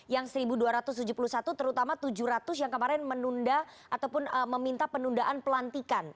yang satu dua ratus tujuh puluh satu terutama tujuh ratus yang kemarin menunda ataupun meminta penundaan pelantikan